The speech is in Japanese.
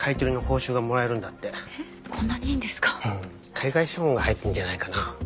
海外資本が入ってんじゃないかな。